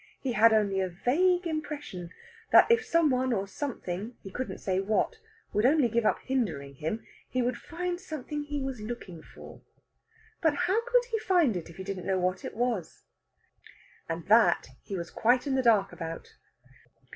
He had only a vague impression that if some one or something, he couldn't say what, would only give up hindering him, he would find something he was looking for. But how could he find it if he didn't know what it was? And that he was quite in the dark about.